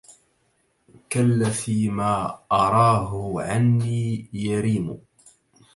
كلفي ما أراه عنى يريم